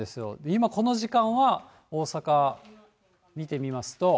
今、この時間は大阪見てみますと。